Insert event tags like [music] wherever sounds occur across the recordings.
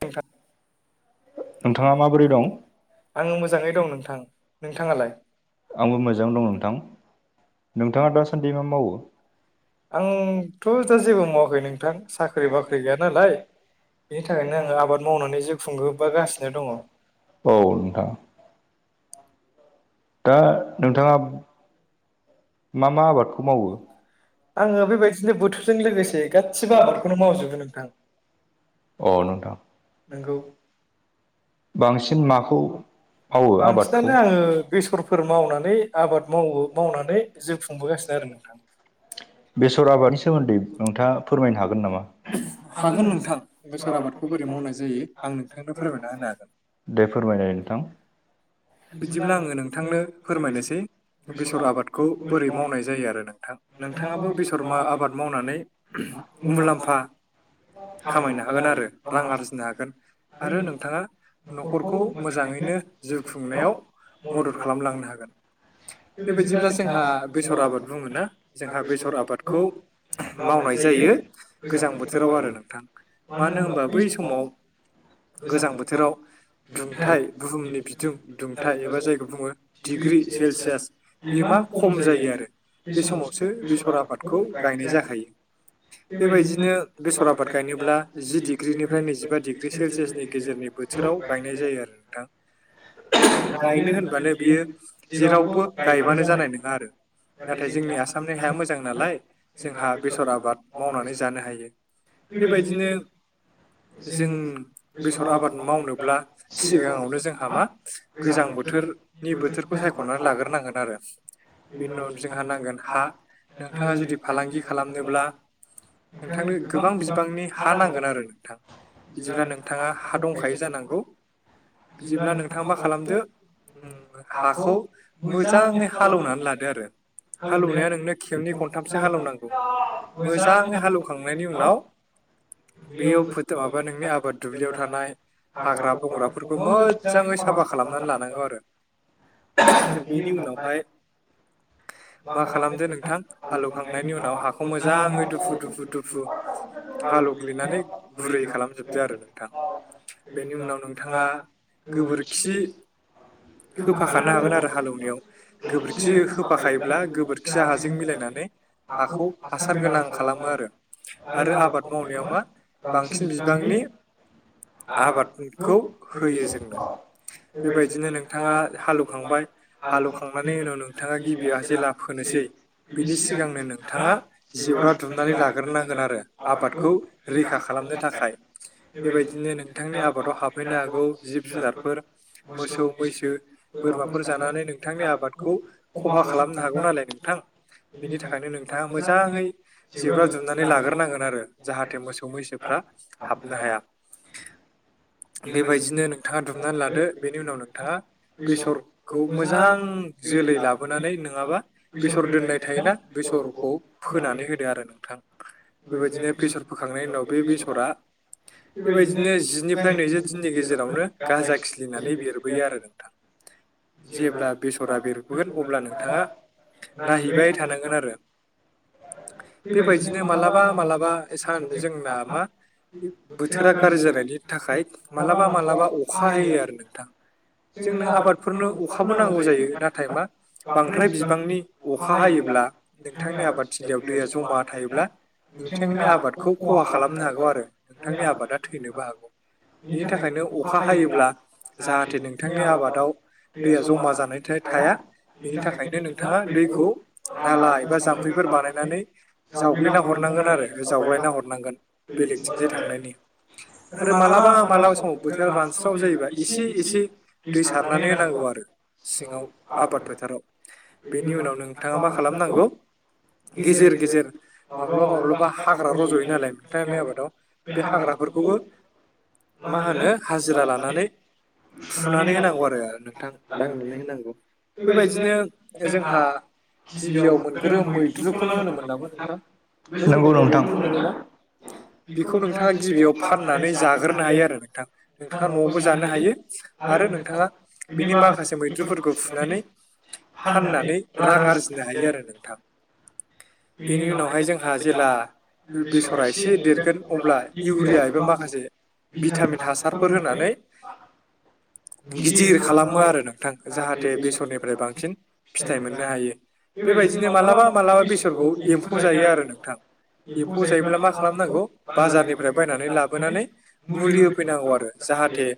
[unintelligible] नोंथाङा माबोरै दं आङो मोजाङै दं नोंथां नोंथाङालाय। आंबो मोजां दं नोंथां नोंथाङा दासान्दि मा मावो। आंथ' दा जेबो मावाखै नोंथां साख्रि बाख्रि गैया नालाय। बेनि थाखायनो आङो आबाद मावनानै जिउ खुंगो बागासिनो दङ। औ नोंथां दा नोंथाङा मा मा आबादखौ मावो। आङो [unintelligible] बेबायदिनो बोथोरजों लोगोसे गासिबो गासिबो आबादखौनो मावो। मावजोबो नोंथां औ नोंथां नोंगौ बांसिन माखौ मावो आबादखौ बांसिनानो आङो बेसरफोर मावनानै आबाद मावो मावनानै जिउ खुंबोगासिनो आरो। नोंथां। बेसर आबादनि सोमोन्दै नोंथाङा फोरमायनो हागोन नामा हागोन नोंथां बेसर आबाद। खौ बोरै मावनाय जायो आं नोंथांनो फोरमायना होनो हागोन। दे फोरमायनाय नोंथां। बिदिब्ला आङो नोंथांनो फोरमायनोसै। बेसर आबादखौ बोरै मावनाय जायो आरो नोंथां नोंथाङाबो बेसर आबाद मावनानै। मुलाम्फा। खामायनो हागोन आरो रां आरजिनो हागोन आरो नोंथाङा न'खरखौ मोजाङैनो जिउ खुंनायाव मदद खालामलांनो हागोन। बेबायदिब्ला जोंहा बेसर आबाद बुङो ना जोंहा बेसर आबादखौ मावनाय जायो गोजां बोथोराव आरो नोंथां मानो होनबा बै समाव गोजां बोथोराव दुंथायाइ बुहुमनि दुंथाइ एबा जायखौ बुङो डिग्रि सेलसियास बियो मा खम जायो आरो बे समावसो बेसर आबादखौ गायनाय जाखायो। बेबायदिनो बेसर आबाद गायनोब्ला जि डिग्रिनिफ्राय नैजिबा डिग्रि सेलसियासनि गेजेरनि बोथोराव गायनाय जायो आरो नोंथां। गायनो होनबानो बियो जेरावबो गायबानो जानाय नङा आरो। नाथाय जोंनि आसामनि हाया मोजां नालाय जोंहा बेसर आबाद मावनानै जानो हायो। बेबायदिनो जों बेसर आबाद मावनोब्ला सिगाङावनो जोंहा मा गोजां बोथोरनि बोथोरखौ सायख'नानै लाग्रोनांगोन आरो। बेनि उनाव जोंहा नांगोन हा नोंथाङा जुदि फालांगि खालामनोब्ला नोंथांनो गोबां बिबांनि हा नांगोन आरो नोंथां। बिदिब्ला नोंथाङा हा दंखायो जानांगौ बिदिब्ला नोंथाङा मा मा खालामदो हाखौ मोजाङै हालेवनानै लादो आरो। हालौवनाया नोंनो खेबनै खनथामसो हालौनांगौ मोजाङै हालेवखांनायनि उनाव बेयाव फोथ माबा नोंनि आबाद दुब्लियाव थानाय हाग्रा बंग्राफोरखौ मो जाङै साफा खालामनानै लानांगौ आरो बेनि उनावहाय मा खालामदो नोंथां हालौवखांनायनि उनाव हाखौ मोजाङै दुफु दुफु दुफु आलग्लिनानै बुरै खालामजोबदो आरो नोंथां बेनि उनाव नोंथाङा गोबोरखि होफाखानो हागोन आरो हालेव गोबोरखि होफाखायोब्ला गोबोरखिया हाजों मिलायनानै हाखौ हासार गोनां खालामो आरो आरो आबाद मावनायाव मा बांसिन बिबांनि आबादखौ होयो जोङो बेबायदिनो नोंथाङा हालेवखांबाय हालौवखांनायनि उनाव नोंथाङा गिबियाव जेला फोनोसै बिनि सिगांनो नोंथाङा जि जेवरा दुमनानै लाग्रोनांगोन आरो आबादखौ रैखा खालामनो थाखाय बेबायदिनो नोंथांनि आबादाव हाबफैनो हागौ जिब जुनारफोर मोसौ मैसो बोरमाफोर जानानै नोङो नोंथांनि आबादखौ खहा खालामनो हागौ नालाय नोंथां बेनि थाखायनो नोंथाङा मोजाङै जेब्रा जुमनानै लाग्रोनांगोन आरो जाहाथे मोसौ मैसोफ्रा हाबनो हाया बेबायदिनो नों नोंथाङा दुमनानै लादो बेनि उनाव नोंथाङा बेसरखौ मोजां जोलै लाबोनानै नङाबा बेसर दोननाय थायोना बेसरखौ फोनानै नानै होदो आरो नोंथां बेबायदिनो बेसर फोखांनायनि उनाव बे बेसरा बेबायदिनो जिनिफ्राय नैजि दिननि गेजेरावनो गाजा खिलिनानै बेरबोयो आरो नोंथां जेब्ला बेसरा बेरगगोन अब्ला नोंथाङा नायहैबाय थानांगोन आरो बेबायदिनो मालाबा मालाबा सान जोंना मा बे बोथोरा गाज्रि जानायनि थाखाय मालाबा मालाबा अखा जोंनो आबादफोरनो अखाबो नांगौ जायो नाथाय मा बांद्राय बिबांनि अखा हायोब्ला नोंथांनि आबादथिलियाव दैया जमा थायोब्ला नोंथांनि आबादखौ खहा खालामनो हागौ आरो नोंथांनि आबादा थैनोबो हागौ बेनि थाखाय आबादा खा हायोब्ला जाहाथे नोंथांनि आबादाव दैया जमा जानाय थाया बेनि थाखायनो नोंथाङा दैखौ नाला एबा जाम्फैफोर बानाय नानै जावग्लिना हरनांगोन आरो जावग्लायना हरनांगोन बेलेगथिंजाय थांनायनि आरो मालाबा मालाबा समाव बोथोरा रानस्राव जायोबा एसे एसे दै सारनानै होनांगौ आरो सिङाव आबाद फोथाराव बेनि उनाव नोंथाङा मा खालामनांगौ गेजेर गेजेर माब्लाबा माब्लाबा हाग्रा रज'यो नालाय नोंथांनि आबादाव बे हाग्राफोरखौ गङ मानो हाजिरा लानानै फुनानै होनांगौ आरो नोंथां दांनानै होनांगौ बेबायदिनो जोंहा गिबियाव मोनगोरोम मै मैद्रुखौनो होनोमोन नामा नोंथां बे समनिफ्राय मैद्रु मोनोना बेखौ नोंथाङा गिबियाव फाननानै जाग्रोनो हायो आरो नोंथां नोंथाङा न'आवबो जानो हायो आरो नोंथाङा बिनि माखासे मैद्रुफोरखौ फुनानै फाननानै रां आरजिनो हायो आरो नोंथां बेनि उनावहाय जोंहा जेला बेसरा एसे देरगोन अब्ला इउरिया एबा माखासे भिटामिन [unintelligible] फोर होनानै गिदिर खालामो आरो नोंथां जाहाथे बेसरनिफ्राय बांसिन फिथाइ मोननो हायो बेबायदिनो मालाबा मालाबा बेसरखौ एम्फौ जायो आरो नोंथां एम्फौ जायोब्ला मा खालामनांगौ बाजारनिफ्राय बायनानै लाबोनानै मुलि होफैनांगौ आरो जाहाथे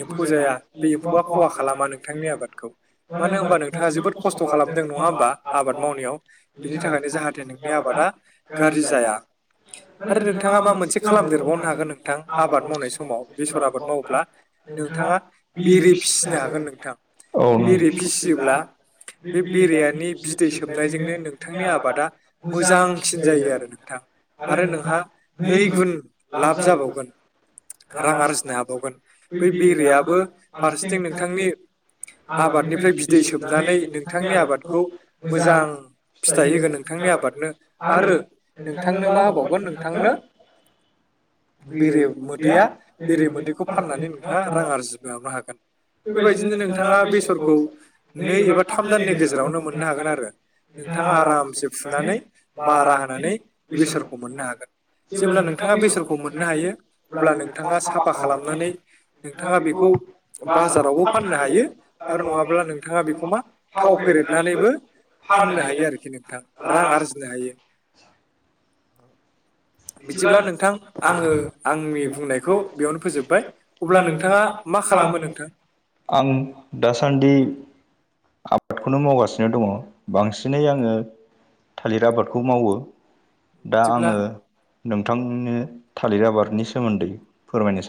एम्फौ जाया बे एम्फौआ खहा खालामा नोंथांनि आबादखौ मानो होनबा नोंथाङा जोबोद खस्थ' खालामदों नङा होमबा आबाद आबाद मावनायाव बिनि थाखायनो जाहाथे नोंनि आबादा गाज्रि जाया आरो नोंथाङा मा मोनसे खालामदेरबावनो हागोन नोंथां आबाद मावनाय समाव बेसर आबाद माव नोंथाङा बेरे फिसिनो हागोन नोंथां बेरे फिसियोब्ला बे बेरनि बिदै सोबनायजोंनो नोंथांनि आबादा मोजांसिन जायो आरो नोंथां आरो नोंहा नै गुन लाब जाबावगोन [inaudible] बावगोन बै बेरयाबो फारसेथिं नोंथांनि आबादनिफ्राय बिदै सोबनानै नोंथांनि आबादखौ मोजां फिथाइ होगोन नोंथां - आबादनो आरो नोंथांनो मा होबावगोन नोंथांनो बेरे मोदैया बेरे मोदैखौ फाननानै नोंथाङा रां आरजिनोबो हागोन बेबायदिनो नोंथाङा बेसरखौ नै एबा थाम दाननि गेजेरावनो मोननो हागोन आरो नोंथाङा आरामसे फुनानै मारा होनानै बेसरखौ मोननो हागोन जेब्ला नोंथाङा बेसरखौ मोननो हायो अब्ला नोंथाङा साफा खालामनानै नोंथाङा बेखौ बाजारावबो फाननो हायो आरो नङाब्ला नोंथाङा बेखौ मा थाव फेरेदनानैबो फाननो हायो आरोखि नोंथां रां आरजिनो हायो बिदिब्ला नोंथां आङो आंनि बुंनायखौ बेयावनो फोजोबबाय अब्ला नोंथाङा मा खालामो नोंथां? आं दासान्दि आबादखौनो मावगासिनो दङ बांसिनै आङो थालिर आबादखौ मावो दा बिदिब्ला आङो नोंथांनो थालिर आबादनि सोमोन्दै फोरमायनो स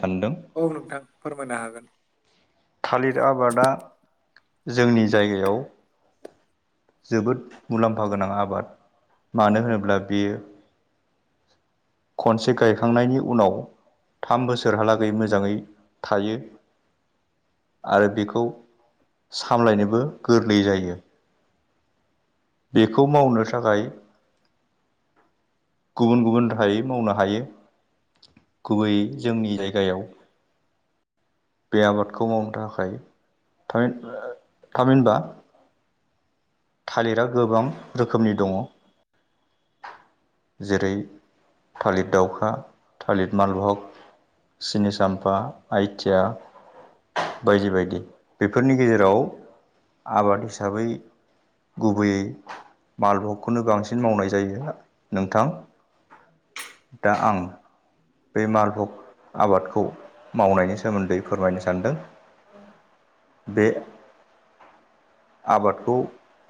औ नोंथां फोरमायनो हागोन थालिर आबादा जोंनि जायगायाव जोबोद मुलाम्फा गोनां आबाद मानो होनोब्ला बेयो खनसे गायखांनायनि उनाव थाम बोसोरहालागै मोजाङै थायो आरो बेखौ सामलायनोबो गोरलै जायो बेखौ मावनो थाखाय गुबुन गुबुन राहायै मावनो हायो गुबैयै जोंनि जायगायाव बे आबादखौ मावनो थाखाय [unintelligible] थामिनबा थालिरा गोबां रोखोमनि दङ जेरै थालिर दाउखा थालिर मालभग सिनिसामफा, आइथिया बायदि बायदि बेफोरनि गेजेराव आबाद हिसाबै गुबैयै मालभगखौनो बांसिन मावनाय जायो नोंथां दा आं बे मालभग आबादखौ मावनायनि सोमोन्दै फोरमायनो सानदों बे आबादखौ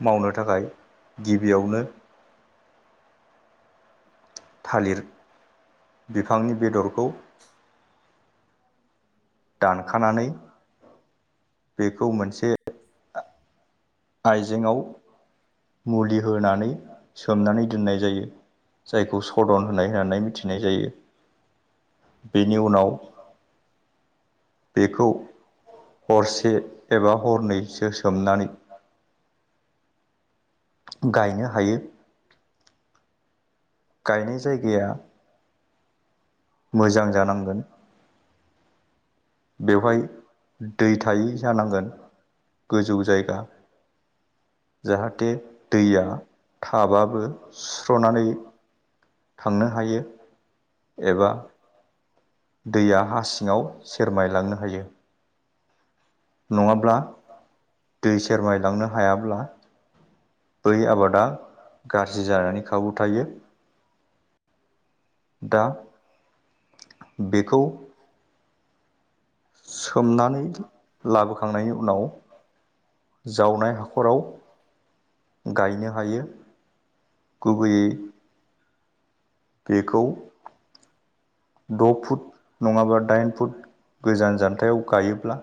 मावनो थाखाय गिबियावनो [inaudible] थालिर बिफांनि बेदरखौ दानखानानै बेखौ मोनसे आइजेेंआव मुलि होनानै सोमनानै दोननाय जायो। जायखौ सदन होननाय होननानै मिथिनाय जायो। बेनि उनाव बेखौ हरसे एबा हरनैसो सोमनानै गायनो हायो। गायनाय जायगाया मोजां जानांगोन बेवहाय दै थायै जानांगोन गोजौ जायगा जाहाथे दैया थाबाबो सुस्र'नानै थांनो हायो एबा दैया हा सिङाव सेरमायलांनो हायो। नङाब्ला दै सेरमायलांनो हायाब्ला बै आबादा गाज्रि जानानै खाबु थायो। दा बेखौ सोमनानै लाबोखांनायनि उनाव जावनाय हाखराव गायनो हायो गुबैयै बेखौ द' फुट नङाबा दाइन फुट गोजान जान्थायाव गायोब्ला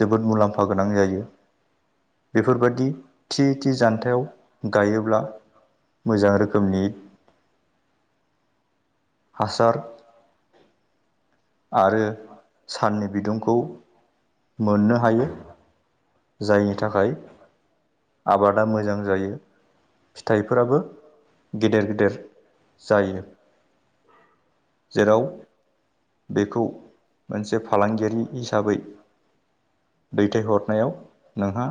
जोबोद मुलाम्फा गोनां जायो। बेफोरबादि थि थि जान्थायाव गायोब्ला मोजां रोखोमनि हासार आरो साननि बिदुंखौ मोननो हायो। जायनि थाखाय आबादा मोजां जायो। फिथाइफोराबो गेदेर गेदेर जायो। जेराव बेखौ मोनसे फालांगियारि हिसाबै दैथायहरनायाव नोंहा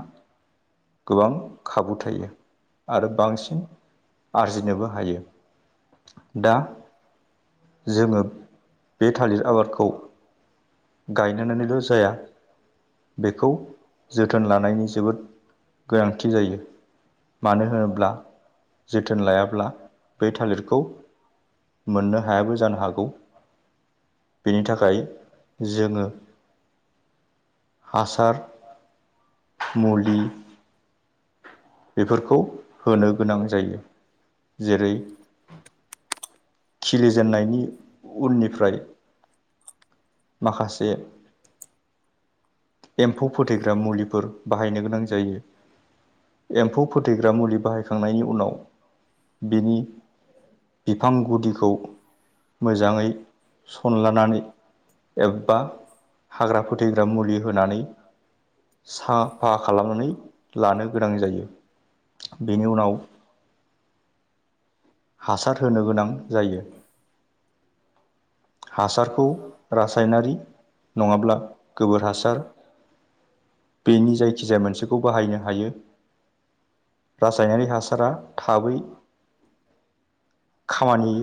गोबां खाबु थायो आरो बांसिन आरजिनोबो हायो। दा जोङो बे थालिर आबादखौ गायनानैल' जाया बेखौ जोथोन लानायनि जोबोद गोनांथि जायो। मानो होनोब्ला जोथोन लायाब्ला बै थालिरखौ मोननो हायाबो जानो हागौ बेनि थाखाय जोङो हासार मुलि बेफोरखौ होनो गोनां जायो जेरै खिलिजेननायनि उननिफ्राय माखासे एम्फौ फोथैग्रा मुलिफोर बाहायनो गोनां जायो। एम्फौ फोथैग्रा मुलि बाहायखांनायनि उनाव बिनि बिफां गुदिखौ मोजाङै सनलानानै एबा हाग्रा फोथैग्रा मुलि होनानै साफा खालामनानै लानो गोनां जायो। बेनि उनाव हासार होनो गोनां जायो। हासारखौ रासायनारि नङाब्ला गोबोर हासार बेनि जायखिजाया मोनसेखौ बाहायनो हायो। रासायनारि हासारा थाबै खामानि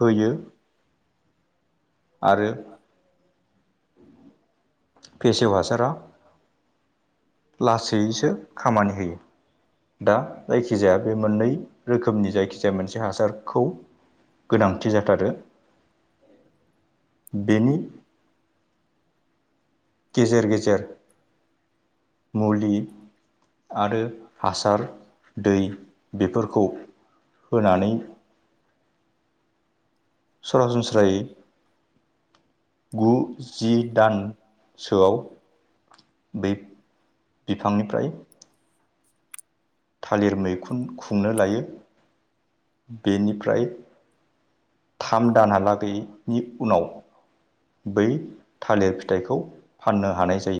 होयो आरो फेसेव हासारा लासैयैसो खामानि होयो दा जायखिजाया बे मोननै रोखोमनि जायखिजाया मोनसे हासारखौ गोनांथि जाथारो बेनि गेजेर गेजेर मुलि आरो हासार दै बेफोरखौ होनानै सरासनस्रायै गु जि दान सोआव बै बिफांनिफ्राय थालिर मैखुन खुंनो लायो बेनिफ्राय थाम दानहालागैनि उनाव बै थालिर फिथाइखौ फाननो हानाय जायो